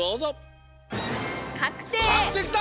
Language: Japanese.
かくていきた！